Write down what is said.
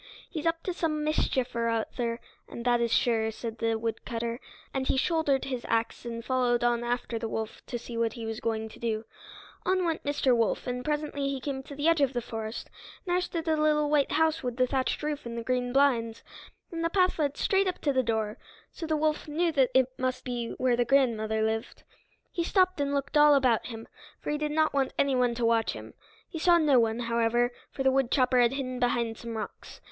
"He's up to some mischief or other, and that is sure," said the woodcutter. And he shouldered his axe and followed on after the wolf to see what he was going to do. On went Mr. Wolf, and presently he came to the edge of the forest, and there stood the little white house with the thatched roof and green blinds, and the path led straight up to the door, so the wolf knew that must be where the grandmother lived. He stopped and looked all about him, for he did not want anyone to watch him. He saw no one, however, for the woodchopper had hidden behind some rocks.